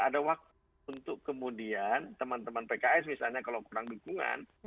ada waktu untuk kemudian teman teman pks misalnya kalau kurang dukungan